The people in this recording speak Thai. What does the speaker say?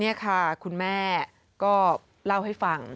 นี่ค่ะคุณแม่ก็เล่าให้ฟัง